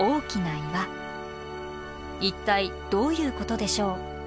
一体どういうことでしょう？